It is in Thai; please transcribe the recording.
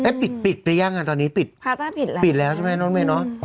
เอ่ยปิดปิดไปยังอะตอนนี้ปิดพาร์ต้าผิดแล้วปิดแล้วใช่ไหมเนอะเมย์น้อย